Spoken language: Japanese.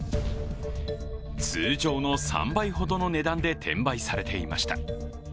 通常の３倍ほどの値段で転売されていました。